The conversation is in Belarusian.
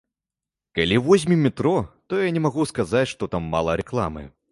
Калі возьмем метро, то я не магу сказаць, што там мала рэкламы.